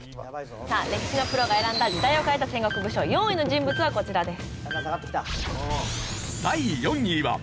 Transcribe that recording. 歴史のプロが選んだ時代を変えた戦国武将４位の人物はこちらです。